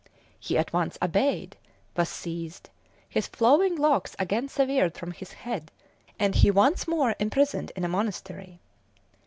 He at once obeyed, was seized, his flowing locks again severed from his head, and he once more imprisoned in a monastery.